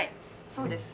そうです。